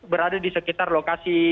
berada di sekitar lokasi